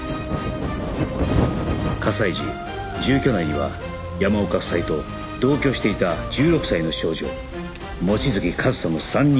火災時住居内には山岡夫妻と同居していた１６歳の少女望月和沙の３人がいた